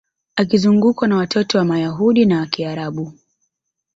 Akizungukwa na watoto wa Mayahudi na Kiarabu